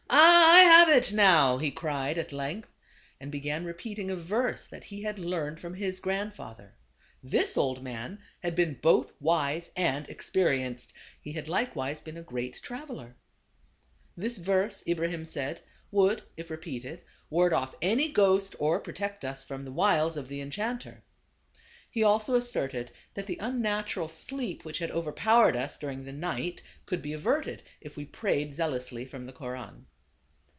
" Ah, I have it now !" he cried at length, and began repeating a verse that he had learned from his grandfather. This old man had been both wise and experienced; he had likewise been a great U * i D r& him Writer the n^me. ^ of the traveler. This verse, Ibrahim said, would, if repeated, ward off any ghost or pro tect us from the wiles of the en chanter. He also asserted that the unnatural sleep which had over powered us during the night, could be averted if we prayed zealously from the Koran.